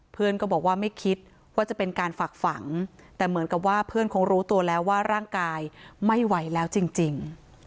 เพื่อนก็บอกว่าไม่คิดว่าจะเป็นการฝากฝังแต่เหมือนกับว่าเพื่อนคงรู้ตัวแล้วว่าร่างกายไม่ไหวแล้วจริง